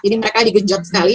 jadi mereka di gejot sekali